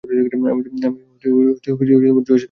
আমি জো এর সাথে পশু চড়াই।